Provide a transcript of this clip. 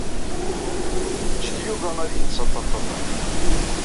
Ǧǧet Yuba ad yettaṭṭaf rray.